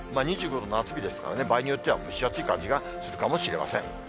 ２５度、夏日ですからね、場合によっては蒸し暑い感じがするかもしれません。